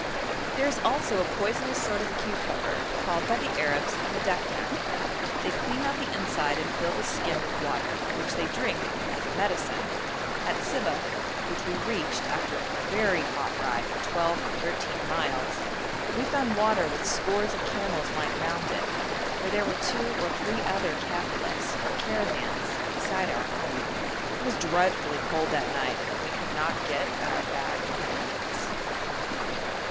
There is also a poisonous sort of cucumber, called by the Arabs madakdak. They clean out the inside and fill the skin with water, which they drink as a medicine. At Sibeh, which we reached after a very hot ride of twelve or thirteen miles, we found water with scores of camels lying round it, for there were two or three other kafilas, or caravans, beside our own. It was dreadfully cold that night, and we could not get at our bag of blankets.